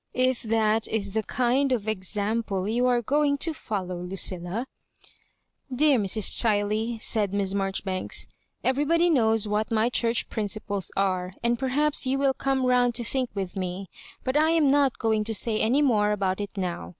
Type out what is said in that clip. If that is the kuid of example you are going to foUow, Lucilla T —^"«" Dear Mrs, Chiley," said Miss Marjoribanks, "everybody knows what my Church principles are ; and perhaps you will come round to think with me; but I am not going to say any more about it now.